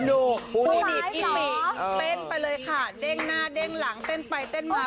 ดูภูมิดิบอิฟมิเต้นไปเลยค่ะเต้นหน้าเต้นหลังเต้นไปเต้นมา